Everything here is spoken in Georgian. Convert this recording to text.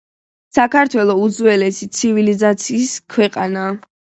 საქართველო უძველესი ცივილიზაციის ქვეყანაა